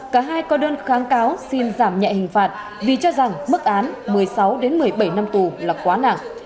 cả hai có đơn kháng cáo xin giảm nhẹ hình phạt vì cho rằng mức án một mươi sáu một mươi bảy năm tù là quá nặng